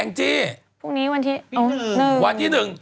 พรุ่งนี้วันที่หนึ่ง